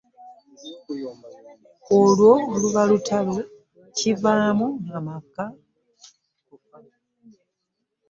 Olwo luba lutalo kivaamu maka kufa.